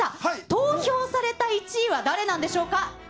投票された１位は誰なんでしょうか。